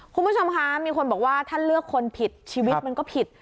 คุณผู้ชมคะมีคนบอกว่าถ้าเลือกคนผิดชีวิตมันก็ผิด